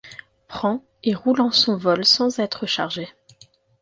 Prend et roule en son vol sans en être chargée